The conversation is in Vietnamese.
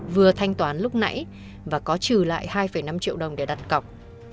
vừa thanh toán lúc nãy và có trừ lại hai năm triệu đồng để đặt cọc